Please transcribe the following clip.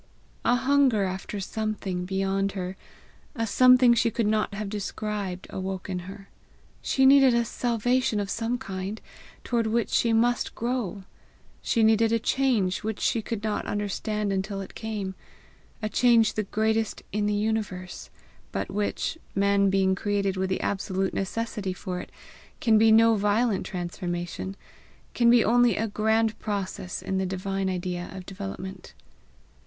A hunger after something beyond her, a something she could not have described, awoke in her. She needed a salvation of some kind, toward which she must grow! She needed a change which she could not understand until it came a change the greatest in the universe, but which, man being created with the absolute necessity for it, can be no violent transformation, can be only a grand process in the divine idea of development.